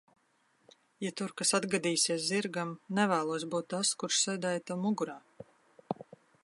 Ja tur kas atgadīsies zirgam, nevēlos būt tas, kurš sēdēja tam mugurā.